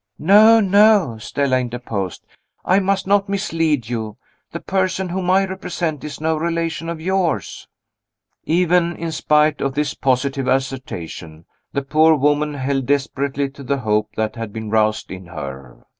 "No, no!" Stella interposed; "I must not mislead you. The person whom I represent is no relation of yours." Even in spite of this positive assertion, the poor woman held desperately to the hope that had been roused in her.